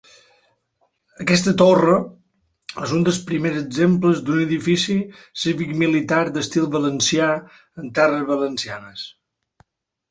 Aquesta torre és un dels primers exemples d'un edifici cívic-militar d'estil valencià en terres valencianes.